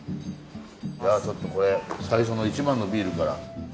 じゃあちょっとこれ最初の１番のビールから。